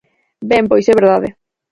Ben, pois é verdade.